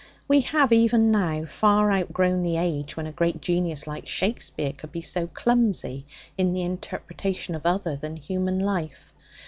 We have even now far outgrown the age when a great genius like Shakespeare could be so clumsy in the interpretation of other than human life.